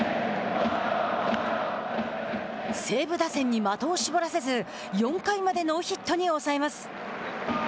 西武打線に的を絞らせず４回までノーヒットに抑えます。